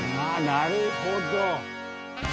なるほど！